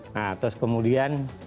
nah terus kemudian